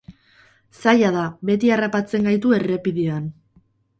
Zaila da, beti harrapatzen gaitu errepidean.